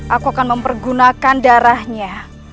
aku akan mempergunakan darahnya